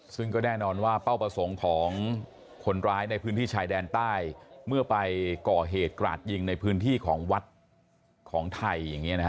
ซึ่งก็แน่นอนว่าเป้าประสงค์ของคนร้ายในพื้นที่ชายแดนใต้เมื่อไปก่อเหตุกราดยิงในพื้นที่ของวัดของไทยอย่างนี้นะฮะ